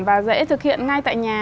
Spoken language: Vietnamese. và dễ thực hiện ngay tại nhà